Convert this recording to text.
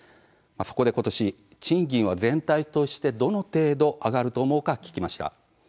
そこでことし、賃金は全体としてどの程度上がると思うか聞きました。